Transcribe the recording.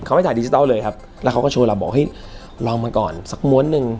เขาไม่ถ่ายดิจิทัลเลยครับแล้วเขาก็โชว์เราบอกเฮ้ยลองมาก่อนสักม้วนหนึ่ง